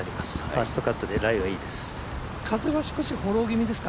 ファーストカットでライはいいです。